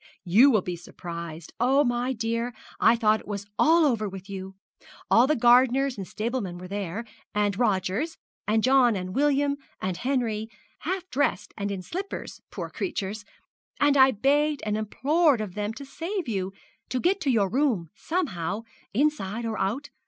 You will be surprised! Oh, my dear, I thought it was all over with you! All the gardeners and stablemen were there and Rogers and John and William and Henry half dressed and in slippers, poor creatures; and I begged and implored of them to save you to get to your room somehow inside or out.